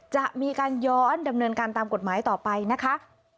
จะมีการย้อนดำเนินการตามกฎหมายต่อไปนะคะ